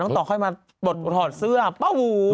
น้องต่อค่อยมาบดเขาถอนเสื้อป้าววูเว้อก็